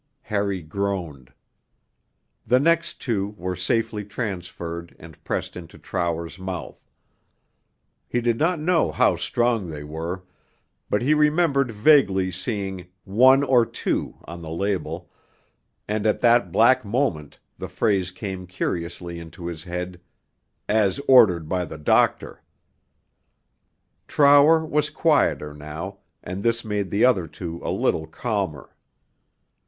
Harry groaned. The next two were safely transferred and pressed into Trower's mouth: he did not know how strong they were, but he remembered vaguely seeing 'One or two' on the label, and at that black moment the phrase came curiously into his head, 'As ordered by the doctor.' Trower was quieter now, and this made the other two a little calmer.